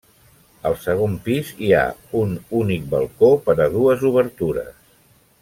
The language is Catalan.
Al segon pis hi ha un únic balcó per a dues obertures.